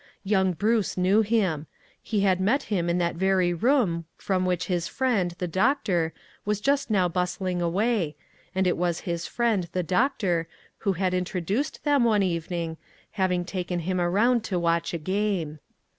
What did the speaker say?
Young Bruce knew him. He had met him in that very room from which his friend, the doctor, was just now bustling away, and it was his friend, the doctor, who had in troduced them one evening, having taken him around to watch a game.